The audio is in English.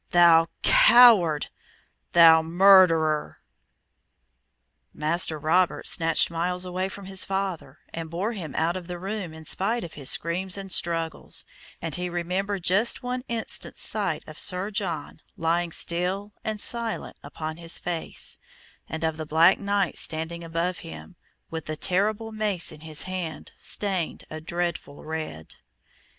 thou coward! thou murderer!" Master Robert snatched Myles away from his father, and bore him out of the room in spite of his screams and struggles, and he remembered just one instant's sight of Sir John lying still and silent upon his face, and of the black knight standing above him, with the terrible mace in his hand stained a dreadful red.